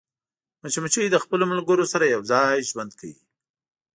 مچمچۍ د خپلو ملګرو سره یوځای ژوند کوي